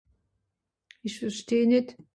Ìch versteh nìt.